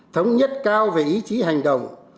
thống nhất cao về ý chí hành động